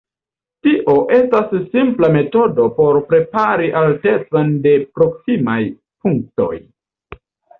Tio estas simpla metodo por kompari altecon de proksimaj punktoj.